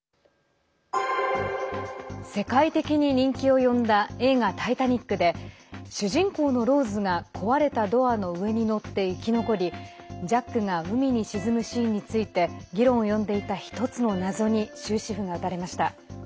世界的に人気を呼んだ映画「タイタニック」で主人公のローズが壊れたドアの上に乗って生き残りジャックが海に沈むシーンについて議論を呼んでいた１つの謎に終止符が打たれました。